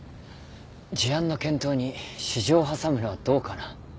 事案の検討に私情を挟むのはどうかな。